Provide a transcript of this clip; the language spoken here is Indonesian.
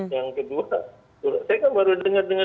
yang kedua saya kan baru dengar dengar